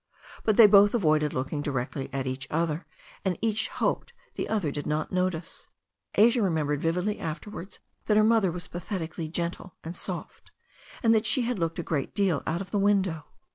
But they both avoided looking directly at each other, and each hoped the other did not notice it. Asia remembered vividly afterwards that her mother was pathetically gentle and soft, and that she had looked a ^t ^X d't'aX o>aX ^V "^^^ 36o THE STORY OF A NEW ZEALAND RIVER window.